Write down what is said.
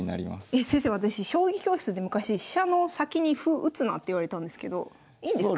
えっ先生私将棋教室で昔飛車の先に歩打つなって言われたんですけどいいんですか？